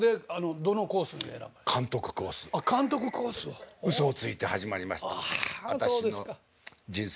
私の人生はうそをついて始まりました。